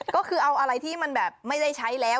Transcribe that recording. ก็คือเอาอะไรที่มันแบบไม่ได้ใช้แล้ว